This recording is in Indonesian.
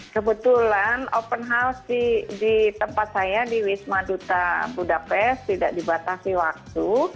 kebetulan open house di tempat saya di wisma duta budapest tidak dibatasi waktu